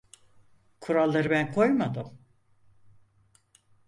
Kuralları ben koymadım.